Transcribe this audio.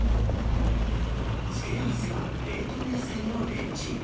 付け合わせは冷凍野菜をレンチン。